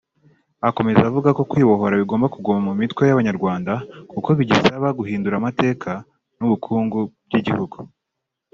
Akomeza avuga ko kwibohora bigomba kuguma mu mitwe y’Abanyarwanda kuko bigisaba guhindura amateka n’ubukungu by’igihugu